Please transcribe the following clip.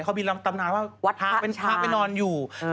เขามีลำตำนานว่าพระไปนอนอยู่